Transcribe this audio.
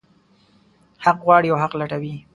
حق غواړي او حق لټوي.